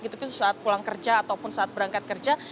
saat pulang kerja ataupun saat berangkat kerja